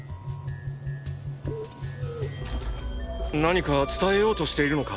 何か伝えようとしているのか？